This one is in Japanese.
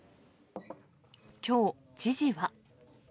きょう知事は。